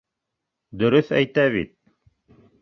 Дөрөҫ әйтә бит!